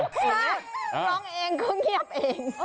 ร้องเองก็เงียบเอง